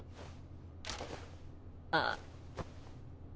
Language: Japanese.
あっ。